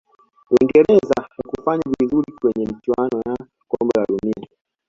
uingereza haikufanya vizuri kwenye michuano ya kombe la dunia